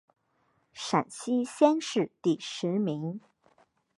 陕西乡试第十名。